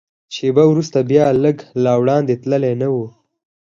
شېبه وروسته بیا، لږ لا وړاندې تللي نه و.